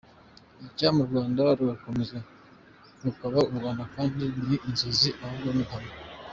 Icyampa u Rwanda rugakomeza rukaba u Rwanda kandi si inzozi ahubwo n’ihame.